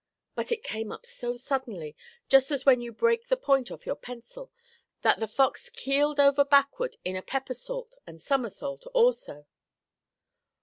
But it came up so suddenly, just as when you break the point off your pencil, that the fox keeled over backward in a peppersault and somersault also.